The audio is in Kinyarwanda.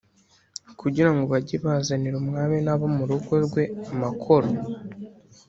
kugira ngo bajye bazanira umwami n’abo mu rugo rwe amakoro